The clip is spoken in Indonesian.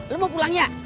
lu mau pulang ya